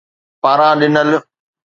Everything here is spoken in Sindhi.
پاران ڏنل